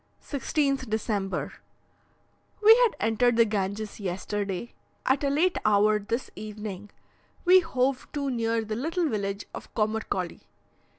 16th December. We had entered the Ganges yesterday. At a late hour this evening we hove to near the little village of Commercolly.